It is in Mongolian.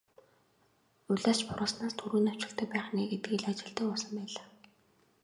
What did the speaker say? Улиас ч бургаснаас түргэн навчилдаг байх нь ээ гэдгийг л ажигладаг болсон байлаа.